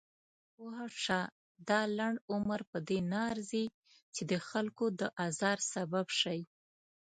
پوهه شه! دا لنډ عمر پدې نه ارزي چې دخلکو د ازار سبب شئ.